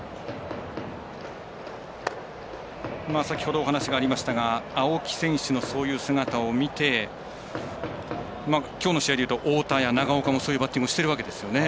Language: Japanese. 先ほどお話がありましたが青木選手のそういう姿を見てきょうの試合で言うと太田や長岡もそういうバッティングしてるんですね。